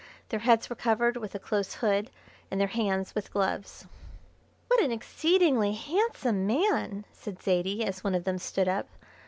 Their heads were covered with a close hood and their hands with gloves. "What an exceedingly handsome man!" said Zaidie, as one of them stood up.